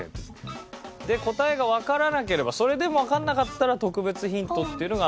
で答えがわからなければそれでもわからなかったら特別ヒントっていうのが。